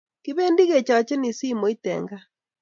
Kibendi ke chacheni simot en gaa